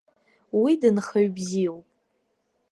Уи дынхаҩ бзиоуп.